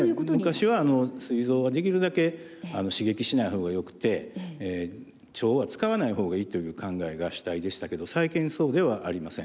昔はすい臓はできるだけ刺激しないほうがよくて腸は使わないほうがいいという考えが主体でしたけど最近そうではありません。